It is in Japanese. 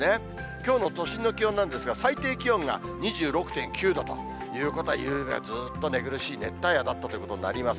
きょうの都心の気温なんですが、最低気温が２６．９度ということは、夕べずーっと寝苦しい熱帯夜だったということになります。